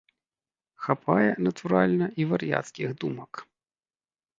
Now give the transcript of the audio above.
Хапае, натуральна, і вар'яцкіх думак.